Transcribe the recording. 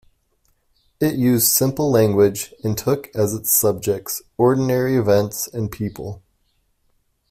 It used simple language and took as its subjects ordinary events and people.